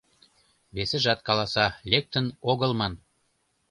Весыжат каласа — «лектын огыл» ман.